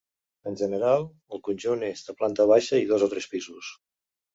En general, el conjunt és de planta baixa i dos o tres pisos.